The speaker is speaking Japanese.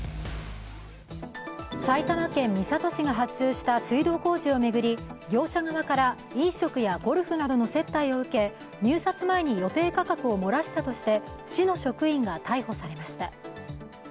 埼玉県三郷市が発注した水道工事を巡り業者側から飲食やゴルフなどの接待を受け入札前に予定価格をもらしたとして市の職員が逮捕されました。